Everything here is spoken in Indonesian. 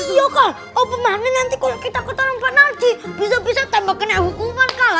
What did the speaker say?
iya kak apa makanya nanti kalau kita ketarung panarji bisa bisa tambahkannya hukuman kak